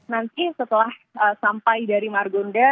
nanti setelah sampai dari margonda